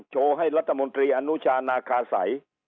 โชว์ให้รัฐมนตรีอนุชานาคาสัย